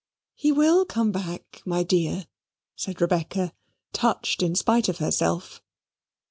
"He will come back, my dear," said Rebecca, touched in spite of herself.